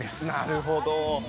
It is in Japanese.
なるほど。